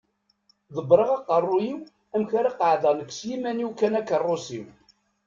Ḍebbreɣ aqerru-iw amek ara qeεεdeɣ nekk s yiman-iw kan akeṛṛus-iw.